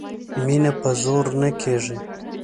مینه په زور نه کیږي